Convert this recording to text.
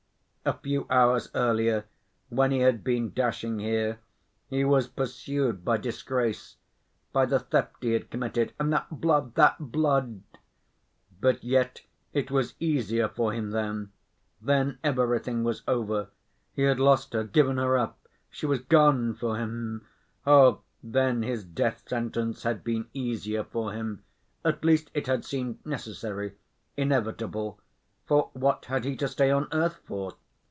A few hours earlier, when he had been dashing here, he was pursued by disgrace, by the theft he had committed, and that blood, that blood!... But yet it was easier for him then. Then everything was over: he had lost her, given her up. She was gone, for him—oh, then his death sentence had been easier for him; at least it had seemed necessary, inevitable, for what had he to stay on earth for?